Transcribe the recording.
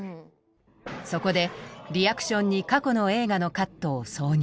そこでリアクションに過去の映画のカットを挿入。